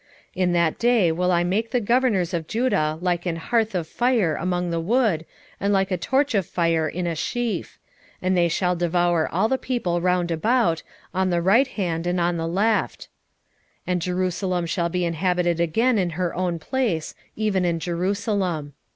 12:6 In that day will I make the governors of Judah like an hearth of fire among the wood, and like a torch of fire in a sheaf; and they shall devour all the people round about, on the right hand and on the left: and Jerusalem shall be inhabited again in her own place, even in Jerusalem.